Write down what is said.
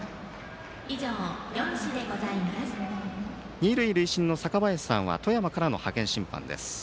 二塁塁審の坂林さんは富山からの派遣審判です。